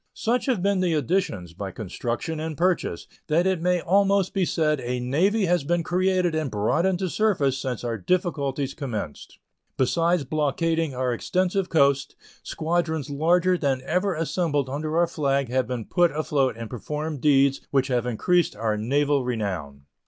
Such have been the additions, by construction and purchase, that it may almost be said a navy has been created and brought into service since our difficulties commenced. Besides blockading our extensive coast, squadrons larger than ever before assembled under our flag have been put afloat and performed deeds which have increased our naval renown.